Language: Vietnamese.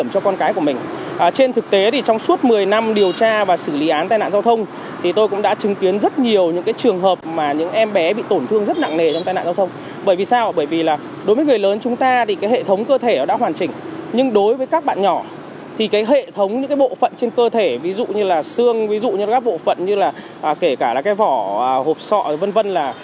có thể gây lên những hậu quả nặng nề đối với các bạn trẻ em